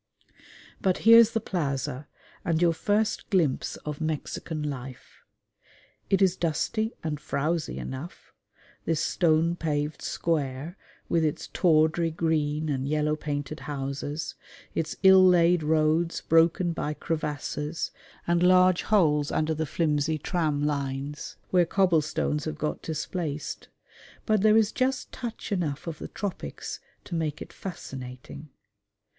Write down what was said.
But here's the plaza, and your first glimpse of Mexican life. It is dusty and frowsy enough this stone paved square with its tawdry green and yellow painted houses, its ill laid roads broken by crevasses and large holes under the flimsy tram lines where cobble stones have got displaced; but there is just touch enough of the tropics to make it fascinating.